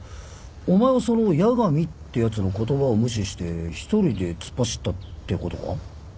お前はその八神ってやつの言葉を無視して一人で突っ走ったってことか？